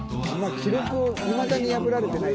記録、いまだに破られてない。